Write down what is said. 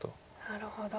なるほど。